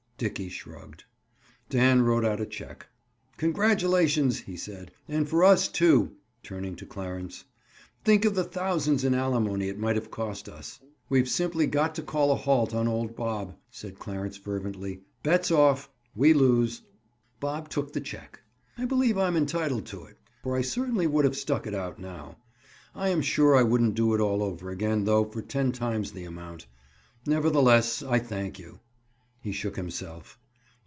Dickie shrugged. Dan wrote out a check. "Congratulations!" he said. "And for us, too!" Turning to Clarence. "Think of the thousands in alimony it might have cost us!" "We've simply got to call a halt on old Bob," said Clarence fervently. "Bet's off! We lose." Bob took the check. "I believe I am entitled to it, for I certainly would have stuck it out now. I am sure I wouldn't do it all over again, though, for ten times the amount. Nevertheless, I thank you." He shook himself.